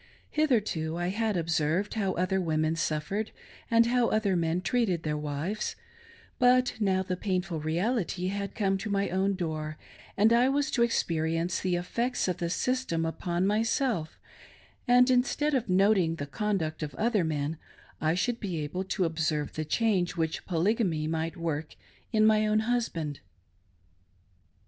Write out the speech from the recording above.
Hitherto I had observed how other women suffered and how other men treated their wives ; but now the painful reality had come to my own door, and I was to experience the effects of the system upon myself, and in stead of noting the conduct of other men I should be able to observe the change which Polygamy might work in my own husband.